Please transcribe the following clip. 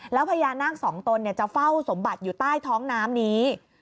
แล้วพญานาคสองตนจะเฝ้าสมบัติอยู่ใต้ท้องน้ำนี้